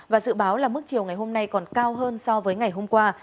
và dự báo là mức chiều ngày hôm nay còn cao hơn so với ngày hôm qua